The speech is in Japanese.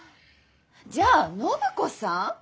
じゃあ暢子さん？